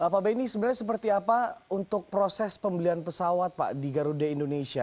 pak benny sebenarnya seperti apa untuk proses pembelian pesawat pak di garuda indonesia